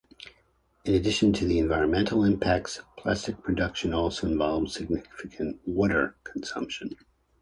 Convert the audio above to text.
In addition to the environmental impacts, plastic production also involves significant water consumption.